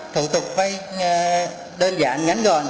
thủ tục vay đơn giản ngắn gọn